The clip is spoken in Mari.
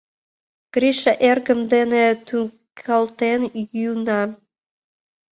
Гриша эргым дене тӱкалтен йӱына.